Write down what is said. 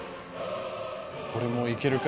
これもいけるか？